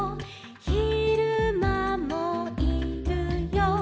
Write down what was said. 「ひるまもいるよ」